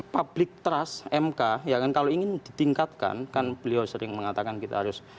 public trust mk ya kan kalau ingin ditingkatkan kan beliau sering mengatakan kita harus